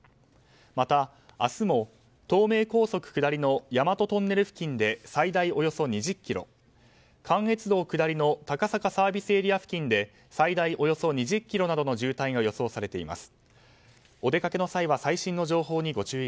また、明日も東名高速下りの大和トンネル付近で最大およそ２０ｋｍ関越道下りの高坂ＳＡ付近で最大およそ２０ｋｍなどの渋滞が予想されています。